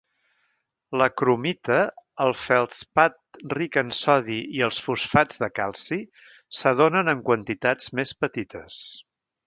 La cromita, el feldspat ric en sodi i els fosfats de calci se donen en quantitats més petites.